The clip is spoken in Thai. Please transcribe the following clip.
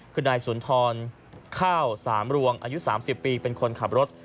คือนายสุนทรข้าวสามรวงอายุ๓๐ปีเป็นคนขับรถ